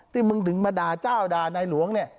มึงถึงมาด่าเจ้าด่านายหลวงเนี่ย